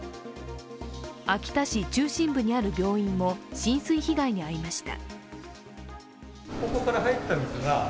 秋田市中心部にある病院も浸水被害に遭いました。